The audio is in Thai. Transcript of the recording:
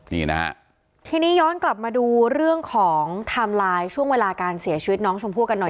นี่นะฮะทีนี้ย้อนกลับมาดูเรื่องของไทม์ไลน์ช่วงเวลาการเสียชีวิตน้องชมพู่กันหน่อย